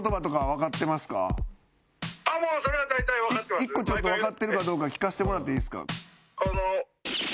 １個わかってるかどうか聞かせてもらっていいですか？